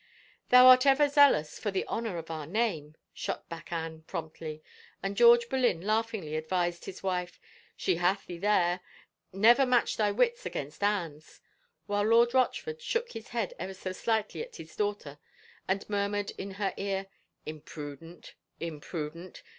" Thou art ever zealous for the honor of our name," shot back Anne promptly, and George Boleyn laughingly advised his wife, " She hath thee there ! Never match thy wits against Anne's!" while Lord Rochford shook his head ever so slightly at his daughter and murmured in her ear, " Imprudent, imprudent.